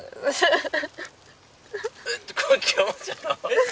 えっ！？